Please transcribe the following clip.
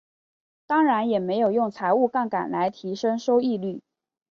当然也没有用财务杠杆来提升收益率。